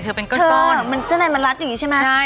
เป็นก้อนมันเสื้อในมันรัดอย่างนี้ใช่ไหมใช่